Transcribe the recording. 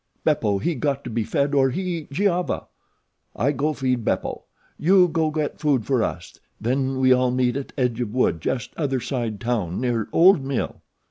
Beppo, he got to be fed or he eat Giova. I go feed Beppo, you go get food for us; then we all meet at edge of wood just other side town near old mill."